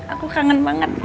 aku kangen banget